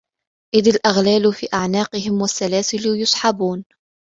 إذ الأغلال في أعناقهم والسلاسل يسحبون